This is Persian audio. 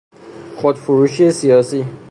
خود فروشی سیاسی